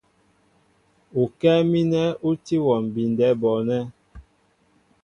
Ukɛ́ɛ́ mínɛ ú tí wɔ mbindɛ bɔɔnɛ́.